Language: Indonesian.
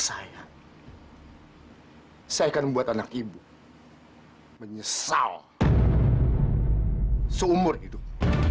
saya saya akan membuat anak ibu menyesal seumur hidup